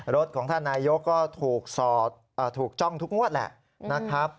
รถของท่านนายกก็ถูกสอดถูกจ้องทุกงวดแหละนะครับ